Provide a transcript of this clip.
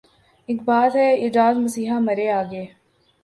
اک بات ہے اعجاز مسیحا مرے آگے